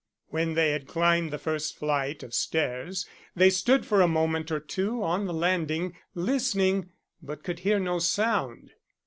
When they had climbed the first flight of stairs, they stood for a moment or two on the landing, listening, but could hear no sound.